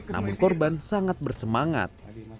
namun korban sangat bersemangat